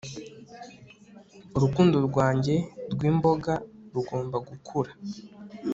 urukundo rwanjye rwimboga rugomba gukura